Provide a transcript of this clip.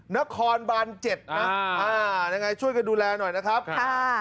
นครบาน๗นะช่วยกันดูแลหน่อยนะครับค่ะ